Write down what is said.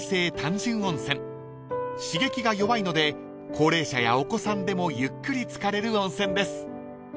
［刺激が弱いので高齢者やお子さんでもゆっくり漬かれる温泉です］